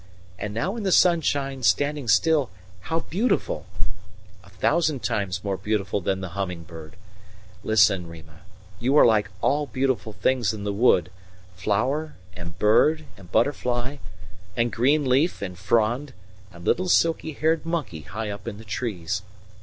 And now in the sunshine standing still, how beautiful! a thousand times more beautiful than the humming bird. Listen, Rima, you are like all beautiful things in the wood flower, and bird, and butterfly, and green leaf, and frond, and little silky haired monkey high up in the trees.